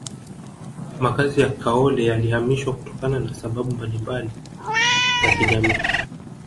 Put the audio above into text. makazi ya kaole yalihamishwa kutokana na sababu mbalimba za kijamii